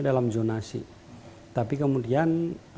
dalam zonasi tapi kemudian